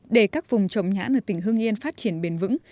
để các vùng trồng nhãn ở tỉnh hương yên phát triển bền vững